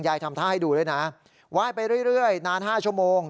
ทำท่าให้ดูด้วยนะไหว้ไปเรื่อยนาน๕ชั่วโมง